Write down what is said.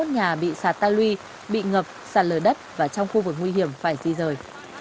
một trăm tám mươi một nhà bị sạt ta lui bị ngập sạt lở đất và trong khu vực nguy hiểm phải di rời